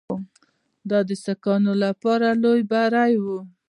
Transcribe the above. دا د سیکهانو لپاره لوی بری وو.